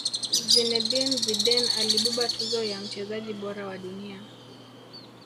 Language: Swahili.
zinedine zidane alibeba tuzo ya mchezaji bora wa dunia